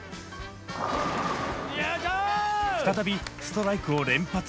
再びストライクを連発。